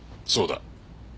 そうだ。